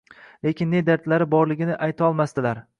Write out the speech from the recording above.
Lekin ne dardlari borligini aytqolmasdilar.